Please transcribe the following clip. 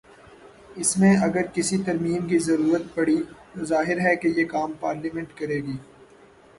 اس میں اگر کسی ترمیم کی ضرورت پڑی تو ظاہر ہے کہ یہ کام پارلیمنٹ کر ے گی۔